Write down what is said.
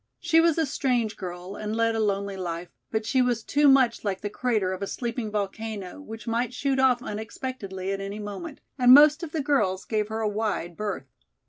She was a strange girl and led a lonely life, but she was too much like the crater of a sleeping volcano, which might shoot off unexpectedly at any moment, and most of the girls gave her a wide berth.